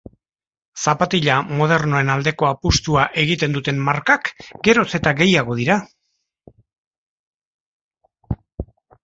Zapatila modernoen aldeko apustua egiten duten markak geroz eta gehiago dira.